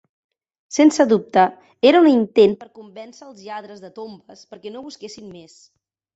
Sense dubte, era un intent per convèncer els lladres de tombes perquè no busquessin més.